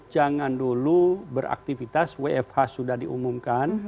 jangan dulu beraktivitas wfh sudah diumumkan